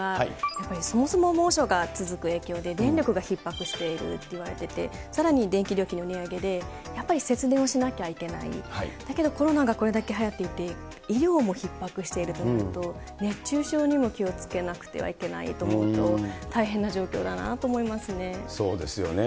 やっぱり、そもそも猛暑が続く影響で、電力がひっ迫しているっていわれてて、さらに電気料金の値上げで、やっぱり節電をしなきゃいけない、だけどコロナがこれだけはやってて、医療もひっ迫しているということと、熱中症にも気をつけなくてはいけないと思うと、大変な状況だなと思いますね。